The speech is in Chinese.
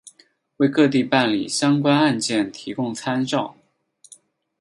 为各地办理相关案件提供参照